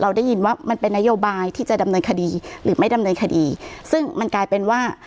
ได้ยินว่ามันเป็นนโยบายที่จะดำเนินคดีหรือไม่ดำเนินคดีซึ่งมันกลายเป็นว่า